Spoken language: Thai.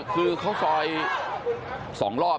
คือเขาซอย๒รอบ